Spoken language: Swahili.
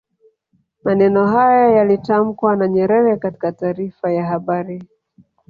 maneno hayo yalitamkwa na nyerere katika taarifa ya habari